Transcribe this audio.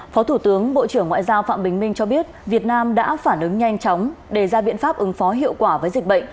phó thủ tướng bộ trưởng ngoại giao phạm bình minh cho biết việt nam đã phản ứng nhanh chóng đề ra biện pháp ứng phó hiệu quả với dịch bệnh